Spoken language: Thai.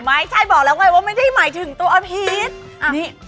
ไม่ใช่บอกแล้วไงว่าไม่ได้หมายถึงตัวอภิษ